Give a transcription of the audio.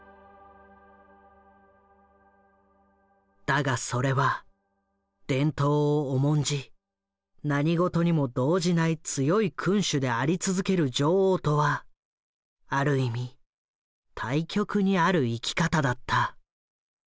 だがそれは伝統を重んじ何事にも動じない強い君主であり続ける女王とはある意味対極にある生き方だった。